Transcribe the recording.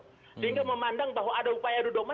sehingga memandang bahwa ada upaya adu domba